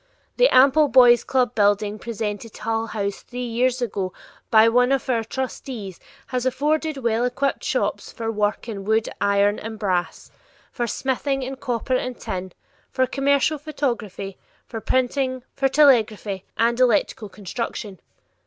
The ample Boys' club building presented to Hull House three years ago by one of our trustees has afforded well equipped shops for work in wood, iron, and brass; for smithing in copper and tin; for commercial photography, for printing, for telegraphy, and electrical construction.